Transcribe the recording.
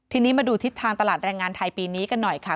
ทีนี้มาดูทิศทางตลาดแรงงานไทยปีนี้กันหน่อยค่ะ